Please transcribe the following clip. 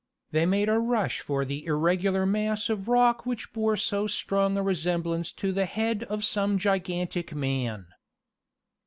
They made a rush for the irregular mass of rock which bore so strong a resemblance to the head of some gigantic man.